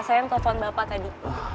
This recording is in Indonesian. saya yang telepon bapak tadi